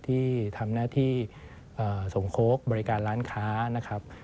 ที่ทำหน้าที่สมโค้กบริการร้านค้านะครับ